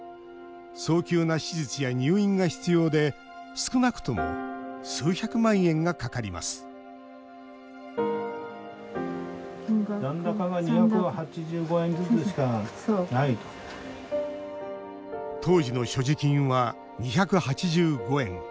早急な手術や入院が必要で少なくとも数百万円がかかります当時の所持金は２８５円。